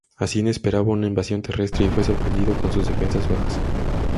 Asin esperaba una invasión terrestre y fue sorprendido con sus defensas bajas.